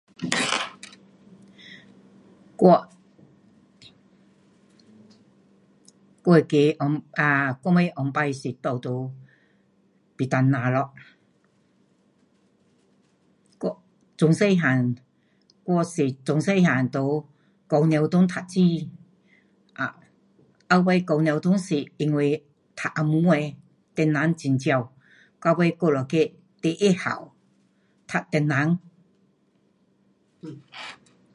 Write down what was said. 我，我那个[um]啊我们以前是住在Petanak咯。我，从小个，我是从小个在修女校读书。[um]到尾修女校是因为读红毛的，华人很少。到尾我们去第一校，读华人。